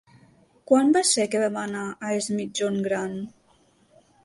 Quan va ser que vam anar a Es Migjorn Gran?